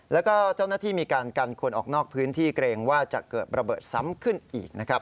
แล้วก็เจ้าหน้าที่มีการกันคนออกนอกพื้นที่เกรงว่าจะเกิดระเบิดซ้ำขึ้นอีกนะครับ